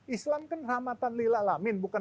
islam kan rahmatan lilalamin bukan